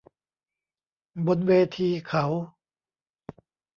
บนเวทีเขา